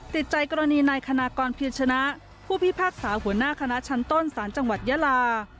ติดใจกรณีนายคณากรพิชนะผู้พิพากษาหัวหน้าคณะชั้นต้นสารจังหวัดยาลา